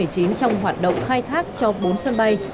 trong hoạt động khai thác cho bốn sân bay